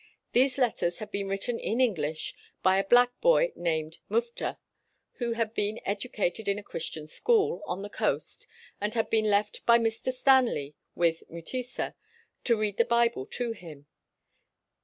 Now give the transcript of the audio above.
These letters had been written in English by a black boy named Mufta, who had been educated in a Christian school on the coast and had been left by Mr. Stanley with Mutesa to read the Bible to him.